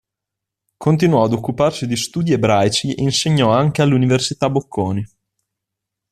Continuò ad occuparsi di studi ebraici e insegnò anche all'Università Bocconi.